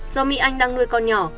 do mỹ anh đang nuôi con nhỏ